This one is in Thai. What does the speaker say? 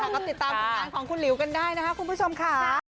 ใช่ค่ะก็ติดตามการของคุณลิวกันได้นะคะคุณผู้ชมค่ะ